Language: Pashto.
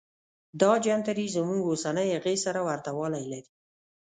دا جنتري زموږ اوسنۍ هغې سره ورته والی لري.